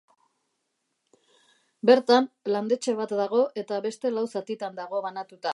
Bertan, landetxe bat dago eta beste lau zatitan dago banatuta.